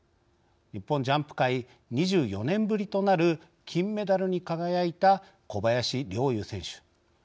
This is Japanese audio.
日本ジャンプ界２４年ぶりとなる金メダルに輝いた小林陵侑選手。